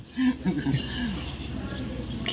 มันปลดเองได้